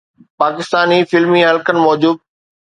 پاڪستاني فلمي حلقن موجب